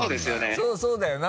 そうそうだよな！